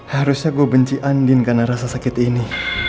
harusnya gua benci andi karena rasa sakit ini